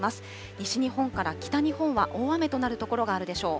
西日本から北日本は大雨となる所があるでしょう。